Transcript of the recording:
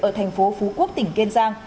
ở thành phố phú quốc tỉnh kiên giang